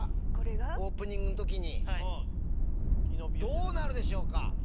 オープニングの時にどうなるでしょうか？